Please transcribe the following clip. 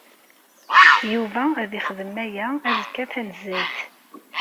Yuba ad yexdem aya azekka tanezzayt.